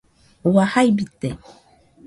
Ua, jai bite